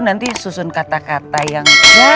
nanti susun kata kata yang